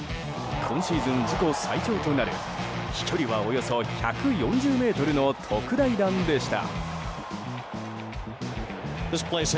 今シーズン自己最長となる飛距離はおよそ１４０ｍの特大弾でした。